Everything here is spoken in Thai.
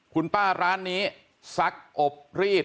คุณป้าร้านนี้ซักอบรีด